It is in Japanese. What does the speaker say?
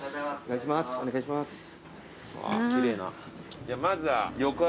じゃあまずは。